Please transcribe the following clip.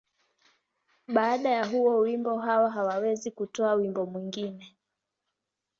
Baada ya huo wimbo, Hawa hakuweza kutoa wimbo mwingine.